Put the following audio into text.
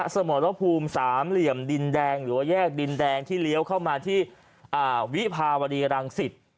สมรภูมิสามเหลี่ยมดินแดงหรือว่าแยกดินแดงที่เลี้ยวเข้ามาที่วิภาวดีรังสิต